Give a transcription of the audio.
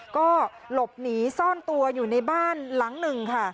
ก็หลบหนีซ่อนตัวอยู่ในบ้านหลังหนึ่งค่ะ